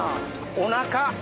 おなか。